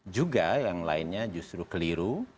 juga yang lainnya justru keliru